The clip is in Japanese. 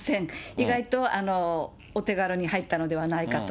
意外とお手軽に入ったのではないかと。